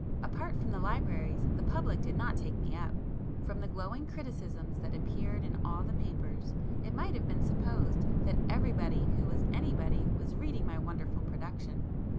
Apart from the libraries, the public did not take me up. From the glowing criticisms that appeared in all the papers, it might have been supposed that 'everybody who was anybody' was reading my 'wonderful' production.